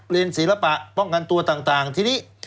ศิลปะป้องกันตัวต่างทีนี้